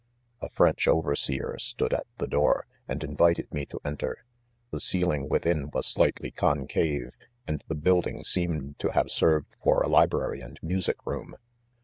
■ A French overseer stood at the door, and invited me to enter. The ceiling within was slightly concave ; and the building seemed have served fox a library and music room.